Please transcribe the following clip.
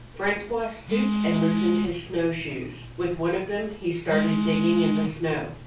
Francois stooped and loosened his snow shoes; with one of them he started dig ging in the snow.